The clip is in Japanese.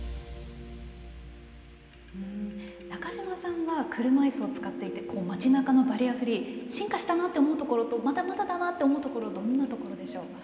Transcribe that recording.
中嶋さんは車いすを使っていて街なかのバリアフリー進化したなと思う所とまだまだだなと思うところどんなところでしょう。